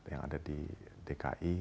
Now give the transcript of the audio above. yang ada di dki